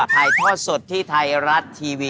ไทยทอดสดที่ท้ายรัดทีวี